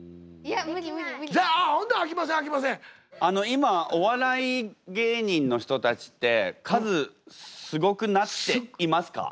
今お笑い芸人の人たちって数すごくなっていますか？